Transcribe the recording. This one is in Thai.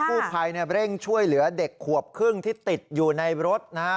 ผู้ภัยเร่งช่วยเหลือเด็กขวบครึ่งที่ติดอยู่ในรถนะฮะ